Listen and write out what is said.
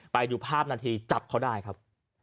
ไปดูภาพนาทีจับเขาได้ครับ